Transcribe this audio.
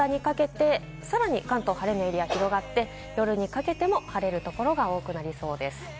夕方にかけてさらに関東は晴れのエリアが広がって、夜にかけても晴れる所が多くなりそうです。